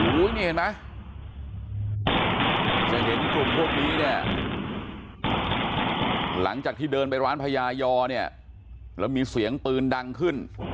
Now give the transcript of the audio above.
เห็นไหมจะเห็นกลุ่มพวกนี้เนี่ยหลังจากที่เดินไปร้านพญายอเนี่ยแล้วมีเสียงปืนดังขึ้น